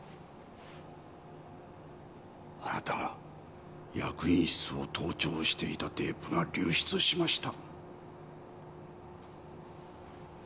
あなたが役員室を盗聴していたテープが流出しました。